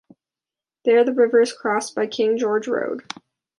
There the river is crossed by King George Road.